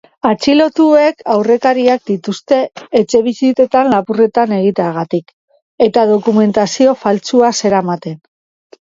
Atxilotuek aurrekariak dituzte etxebizitzetan lapurretan egiteagatik, eta dokumentazio faltsua zeramaten.